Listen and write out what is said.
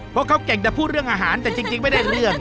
เพราะเขาเก่งแต่พูดเรื่องอาหารแต่จริงไม่ได้เรื่อง